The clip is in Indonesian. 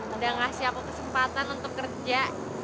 udah ngasih aku kesempatan untuk kerja